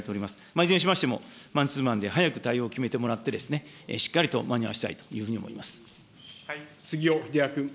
いずれにしましても、マンツーマンで早く対応を決めてもらって、しっかりと間に合わせたいという杉尾秀哉君。